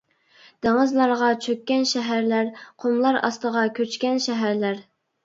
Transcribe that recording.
دېڭىزلارغا چۆككەن شەھەرلەر قۇملار ئاستىغا كۆچكەن شەھەرلەر.